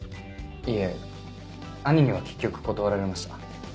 いえ兄には結局断られました。